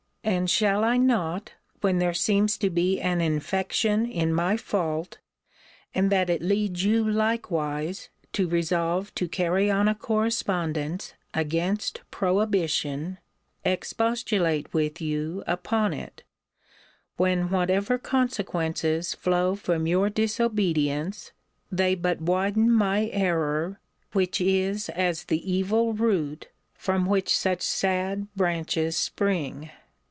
And shall I not, when there seems to be an infection in my fault, and that it leads you likewise to resolve to carry on a correspondence against prohibition, expostulate with you upon it; when whatever consequences flow from your disobedience, they but widen my error, which is as the evil root, from which such sad branches spring?